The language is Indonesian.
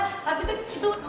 tapi kan gitu